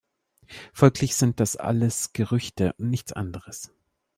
Folglich sind das alles Gerüchte und nichts anderes.